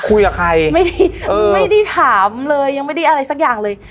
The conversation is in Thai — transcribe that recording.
คุยกับใครไม่ได้ไม่ได้ถามเลยยังไม่ได้อะไรสักอย่างเลย